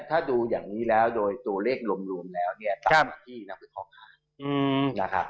ถ้าดูอย่างนี้แล้วโดยตัวเลขรวมแล้วต่ำกว่าที่นักวิทยาศาสตร์